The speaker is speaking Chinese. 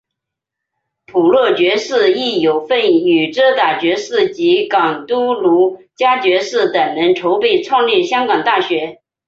普乐爵士亦有份与遮打爵士及港督卢嘉爵士等人筹备创立香港大学。